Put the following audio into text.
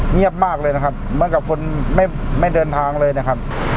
เงียบมากเลยนะครับเหมือนกับคนไม่เดินทางเลยนะครับ